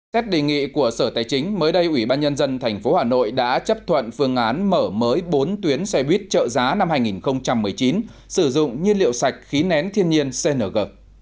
xét đề nghị của sở tài chính mới đây ủy ban nhân dân tp hà nội đã chấp thuận phương án mở mới bốn tuyến xe buýt trợ giá năm hai nghìn một mươi chín sử dụng nhiên liệu sạch khí nén thiên nhiên cng